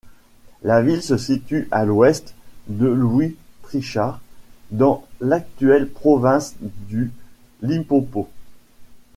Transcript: La ville se situe à l'ouest de Louis Trichardt, dans l'actuelle province du Limpopo.